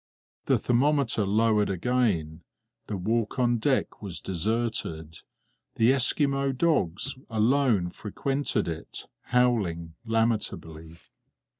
The thermometer lowered again; the walk on deck was deserted; the Esquimaux dogs alone frequented it, howling lamentably.